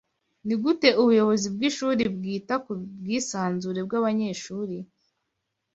Nigute ubuyobozi bwishuri bwita ku bwisanzure bwabanyeshuri